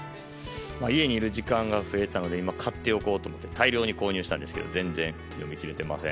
家にいる時間が増えたので今、買っておこうと思って大量に購入したんですが全然読み切れてません。